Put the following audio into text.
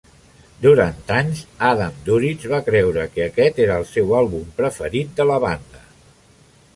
Durant anys Adam Duritz va creure que aquest era el seu àlbum preferit de la banda.